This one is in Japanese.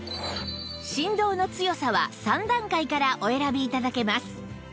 振動の強さは３段階からお選び頂けます